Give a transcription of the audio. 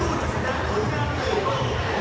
ขอบคุณสไตล์รุ่นรับวันมาก